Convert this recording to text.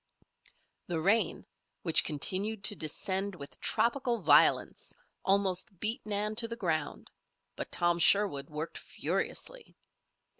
The rain, which continued to descend with tropical violence, almost beat Nan to the ground; but Tom Sherwood worked furiously.